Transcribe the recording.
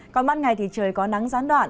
còn ban ngày thì trời có nắng gián đoạn